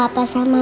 kenapa sini kenapa